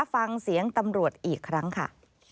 ฟังเสียงตำรวจอีกครั้งค่ะ